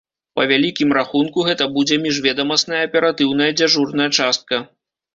Па вялікім рахунку, гэта будзе міжведамасная аператыўная дзяжурная частка.